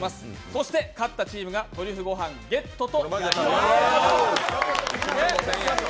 そして勝ったチームがトリュフご飯、ゲットとなります。